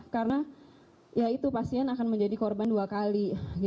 karena ya itu pasien akan menjadi korban dua kali